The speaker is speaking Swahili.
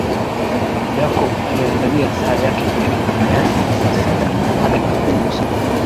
Jacob aliangalia saa yake ilikua tayari ni saa sita na dakika kumi usiku